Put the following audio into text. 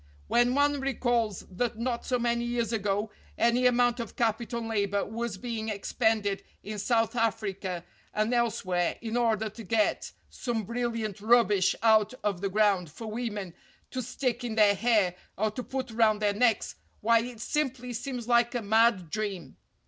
When one recalls that not so many years ago any amount of capital and labor was being expended in South Africa and elsewhere in order to get some bril liant rubbish out of the ground for women to stick in their hair or to put round their necks, why it simply seems like a mad dream.